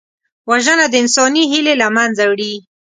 وژنه د انساني هیلې له منځه وړي